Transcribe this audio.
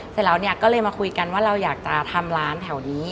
เสร็จแล้วเนี่ยก็เลยมาคุยกันว่าเราอยากจะทำร้านแถวนี้